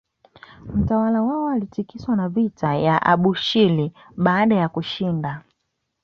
Utawala wao ulitikiswa na vita ya Abushiri baada ya kushinda